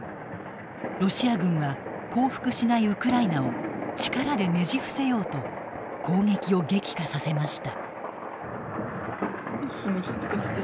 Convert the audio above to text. ロシア軍は降伏しないウクライナを力でねじ伏せようと攻撃を激化させました。